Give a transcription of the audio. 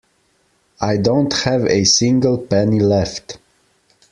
I don't have a single penny left.